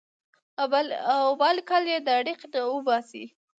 او بالکل ئې د ړق نه اوباسي -